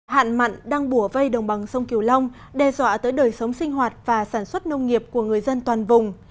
hạn mặn đang bùa vây đồng bằng sông kiều long đe dọa tới đời sống sinh hoạt và sản xuất nông nghiệp của người dân toàn vùng